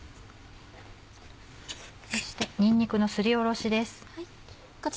そしてにんにくのすりおろしです。